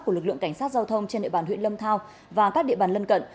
của lực lượng cảnh sát giao thông trên địa bàn huyện lâm thao và các địa bàn lân cận